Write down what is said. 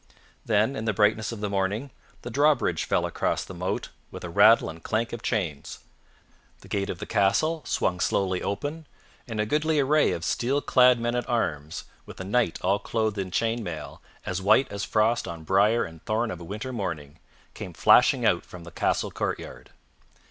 Then, in the brightness of the morning, the drawbridge fell across the moat with a rattle and clank of chains, the gate of the castle swung slowly open, and a goodly array of steel clad men at arms, with a knight all clothed in chain mail, as white as frost on brier and thorn of a winter morning, came flashing out from the castle courtyard.